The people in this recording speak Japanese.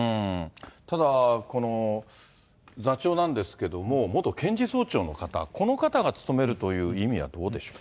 ただ、この座長なんですけども、元検事総長の方、この方が務めるという意味はどうでしょう。